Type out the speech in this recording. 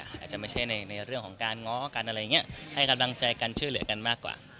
อาจจะไม่ใช่ในเรื่องของการง้อกันอะไรอย่างนี้ให้กำลังใจกันช่วยเหลือกันมากกว่า